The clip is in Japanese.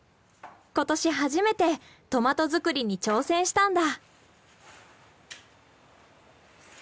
今年初めてトマト作りに挑戦したんだ。